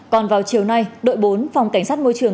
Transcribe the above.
còn vào chiều nay đội bốn phòng cảnh sát môi trường